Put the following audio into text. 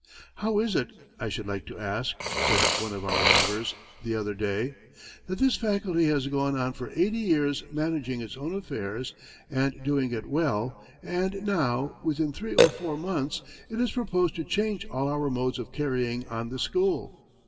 "'How is it, I should like to ask,' said one of our members, the other day, 'that this faculty has gone on for eighty years managing its own affairs and doing it well, and now within three or four months it is proposed to change all our modes of carrying on the school?